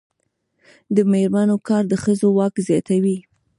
د میرمنو کار د ښځو واک زیاتوي.